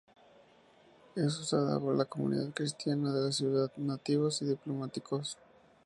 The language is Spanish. Es usada por la comunidad cristiana de la ciudad, nativos y diplomáticos.